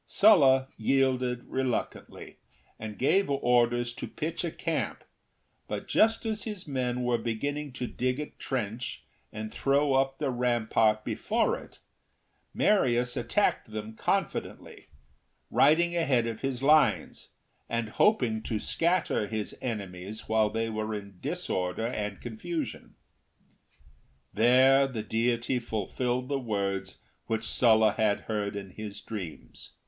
Sulla yielded reluctantly, and gave orders to pitch a camp, but just as his men were beginning to dig a trench and throw up the rampart before it, Marius attacked them confidently, riding ahead of his lines, and hoping to scatter his enemies while they were in disorder and confusion. There the Deity fulfilled the words which Sulla had heard in his dreams.